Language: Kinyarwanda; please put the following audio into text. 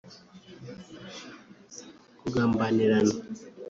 kugambanirana